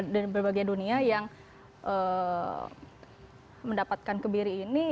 dan berbagai dunia yang mendapatkan kebiri ini